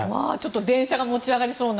電車が持ち上げられそうな。